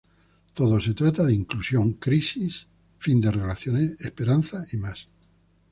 Todo se trata de inclusión, crisis, fin de relaciones, esperanza y más.